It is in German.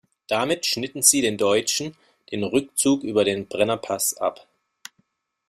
Damit schnitten sie den Deutschen den Rückzug über den Brennerpass ab.